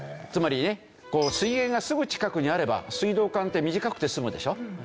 つまりね水源がすぐ近くにあれば水道管って短くて済むでしょ。